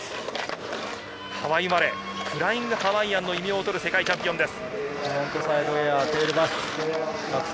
ハワイ生まれ、フライングハワイアンの異名をとる世界チャンピオンです。